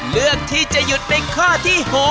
เลือกที่จะหยุดในข้อที่๖